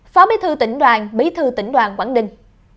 phó bí thư tỉnh đoàn bí thư tỉnh đoàn quảng ninh